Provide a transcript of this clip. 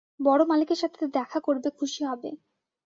বড় মালিকের সাথে দেখা করবে খুশি হবে।